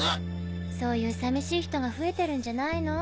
そういう寂しい人が増えてるんじゃないの？